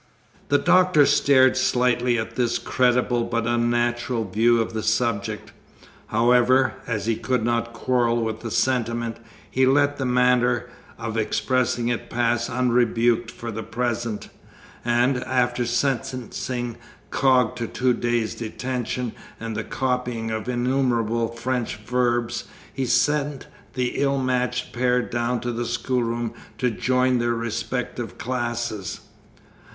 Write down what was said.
The Doctor stared slightly at this creditable but unnatural view of the subject. However, as he could not quarrel with the sentiment, he let the manner of expressing it pass unrebuked for the present, and, after sentencing Coggs to two days' detention and the copying of innumerable French verbs, he sent the ill matched pair down to the schoolroom to join their respective classes.